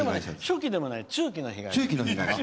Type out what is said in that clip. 初期でもない、中期の被害者。